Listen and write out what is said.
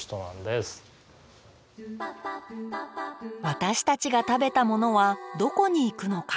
私たちが食べたものはどこに行くのか。